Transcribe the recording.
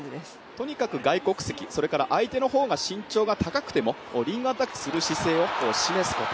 とにかく外国籍相手の方が身長が高くてもリングアタックする姿勢を示すこと。